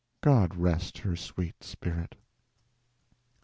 God rest her sweet spirit!